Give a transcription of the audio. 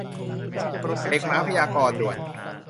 เด็กหมาพยากรณ์ ด่วน !